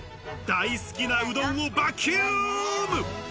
大好きなうどんをバキューム！